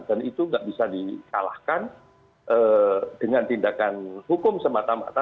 dan itu nggak bisa dikalahkan dengan tindakan hukum semata mata